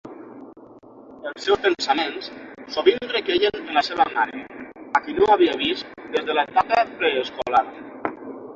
Els seus pensaments sovint requeien en la seva mare, a qui no havia vist des de l'etapa preescolar.